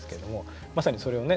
まさにそれをね